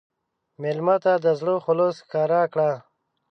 مېلمه ته د زړه خلوص ښکاره کړه.